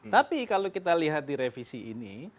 tapi kalau kita lihat di revisi ini